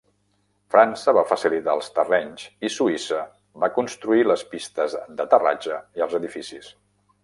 França va facilitar els terrenys i Suïssa va construir les pistes d'aterratge i els edificis.